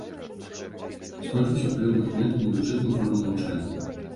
Скончыўся прыём дакументаў на бюджэтную форму навучання.